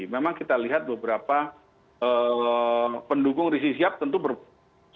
memang kita lihat beberapa pendukung risi siap tentu berpikir